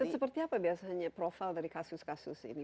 seperti apa biasanya profil dari kasus kasus ini